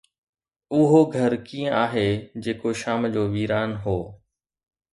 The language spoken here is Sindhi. اهو گهر ڪيئن آهي جيڪو شام جو ويران هو.